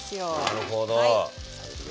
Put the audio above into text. なるほど。